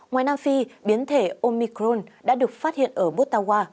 ngoài nam phi biến thể omicron đã được phát hiện ở bút tàu hoa